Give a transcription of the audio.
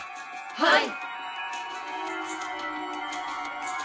はい！